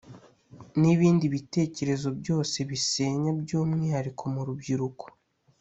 n ibindi bitekerezo byose bisenya by umwihariko mu rubyiruko